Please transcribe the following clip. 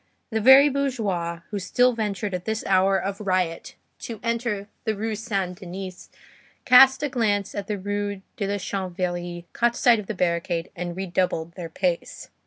The very bourgeois who still ventured at this hour of riot to enter the Rue Saint Denis cast a glance at the Rue de la Chanvrerie, caught sight of the barricade, and redoubled their pace.